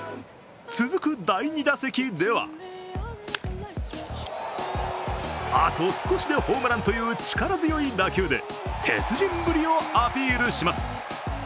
続く第２打席ではあと少しでホームランという力強い打球で鉄人ぶりをアピールします。